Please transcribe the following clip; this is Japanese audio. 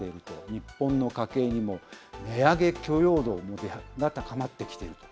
日本の家計にも値上げ許容度も高まってきていると。